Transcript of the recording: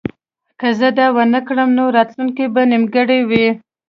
که زه دا ونه کړم نو راتلونکی به نیمګړی وي